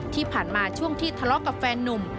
ที่ผ่านมาช่วงที่ทะเลาะกับแฟนนุ่ม